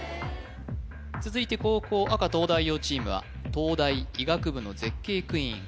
続いて後攻赤東大王チームは東大医学部の絶景クイーン